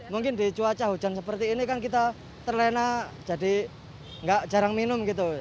mungkin di cuaca hujan seperti ini kan kita terlena jadi jarang minum gitu